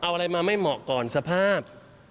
เอาอะไรมาไม่เหมาะก่อนสภาพ